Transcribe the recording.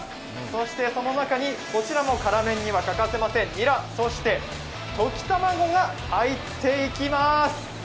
そしてその中にこちらも辛麺には欠かせませんニラ、そして溶き卵が入っていきます。